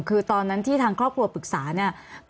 คือตอนนั้นที่ทางครอบครัวปรึกษาเนี่ย